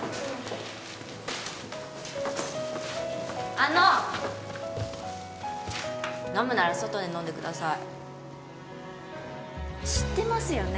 あの飲むなら外で飲んでください知ってますよね？